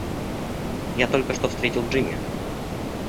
Я только что встретил Джимми.